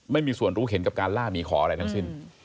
ไม่มีส่วนรู้เห็นกับการล่าหมีขออะไรทั้งสิ้น